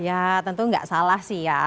ya tentu nggak salah sih ya